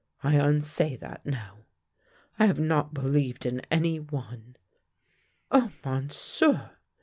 I unsav that now. I have not believed in any one "" Oh, Monsieur!